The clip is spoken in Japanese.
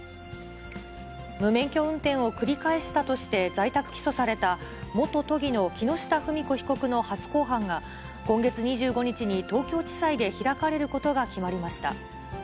無免許運転を繰り返したとして、在宅起訴された、元都議の木下富美子被告の初公判が、今月２５日に東京地裁で開かれることが決まりました。